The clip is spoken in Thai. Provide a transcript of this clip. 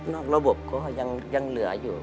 ระบบก็ยังเหลืออยู่